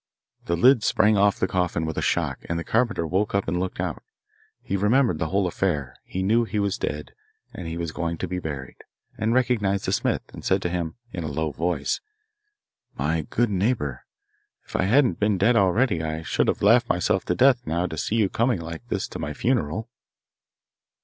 The lid sprang off the coffin with the shock, and the carpenter woke up and looked out. He remembered the whole affair; he knew that he was dead and was going to be buried, and recognising the smith, he said to him, in a low voice, 'My good neighbour, if I hadn't been dead already, I should have laughed myself to death now to see you coming like this to my funeral.